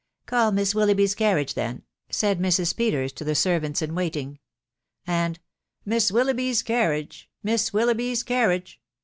" Call Miss Willoughby's carriage, then," said Mrs. Peters to the sjervants in waiting .... And " Miss Willoughby's car riage ! Miss Willoughby's carriage!"